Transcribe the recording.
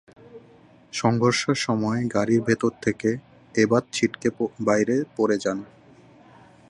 সংঘর্ষের সময় গাড়ির ভেতর থেকে এবাদ ছিটকে বাইরে পড়ে যান।